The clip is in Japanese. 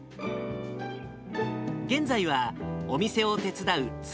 現在はお店を手伝う妻、